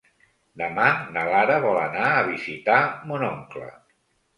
Demà na Lara vol anar a visitar mon oncle.